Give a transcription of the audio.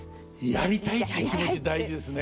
やりたいっていう気持ち大事ですね。